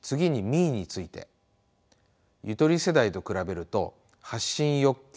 ゆとり世代と比べると発信欲求